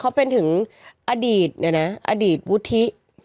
เขาเป็นถึงอดีตเนี่ยนะอดีตวุฒิ